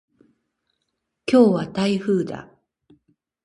今日は台風だ。